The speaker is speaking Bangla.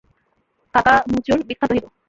কাকামুচোর বিখ্যাত হিরো!